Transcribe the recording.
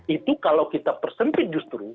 itu kalau kita persempit justru